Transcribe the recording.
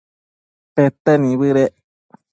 pete nibëdec